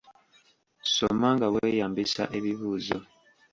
Soma nga weeyambisa ebibuuzo.